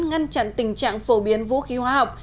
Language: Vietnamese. ngăn chặn tình trạng phổ biến vũ khí hóa học